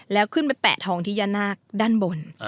แล้วขึ้นไปแปะทองที่ย่านาคด้านบน